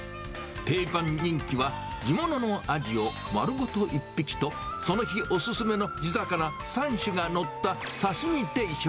定番人気は地物のアジを丸ごと１匹とその日お勧めの地魚３種が載った刺身定食。